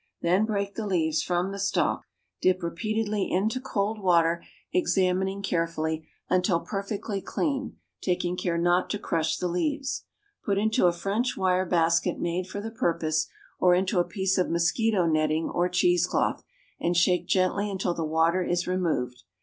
Then break the leaves from the stalk; dip repeatedly into cold water, examining carefully, until perfectly clean, taking care not to crush the leaves. Put into a French wire basket made for the purpose, or into a piece of mosquito netting or cheese cloth, and shake gently until the water is removed.